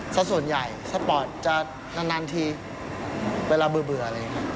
สักส่วนใหญ่สปอร์ตจะนานทีเวลาเบื่อเลยครับ